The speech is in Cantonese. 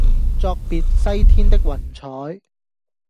作別西天的雲彩